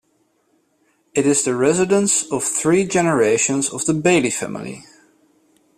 It is the residence of three generations of the Bailly family.